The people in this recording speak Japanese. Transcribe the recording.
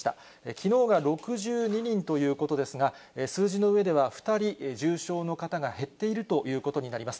きのうが６２人ということですが、数字のうえでは２人、重症の方が減っているということになります。